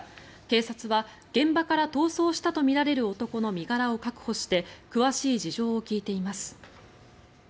警察は現場から逃走したとみられる男の身柄を確保して詳しい事情を聴いています。